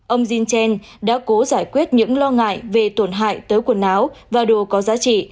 ông jin chan đã cố giải quyết những lo ngại về tổn hại tới quần áo và đồ có giá trị